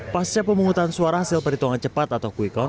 pasca pemungutan suara hasil perhitungan cepat atau kuih kawan